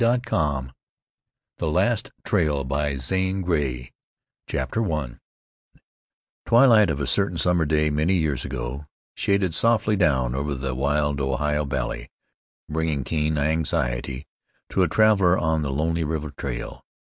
ZANE GREY The Last Trail MCMIX CHAPTER I Twilight of a certain summer day, many years ago, shaded softly down over the wild Ohio valley bringing keen anxiety to a traveler on the lonely river trail.